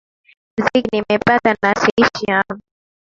muziki nimepata na siishi hamu